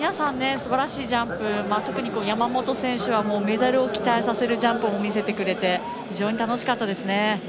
すばらしいジャンプ、特に山本選手はメダルを期待させるジャンプを見せてくれて非常に楽しかったですね。